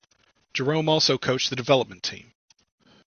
Jerome also coached the Development Team.